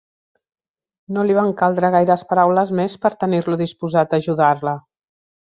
No li van caldre gaires paraules més per tenir-lo disposat a ajudar-la.